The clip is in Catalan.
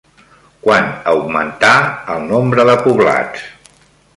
Quan augmentà el nombre de poblats?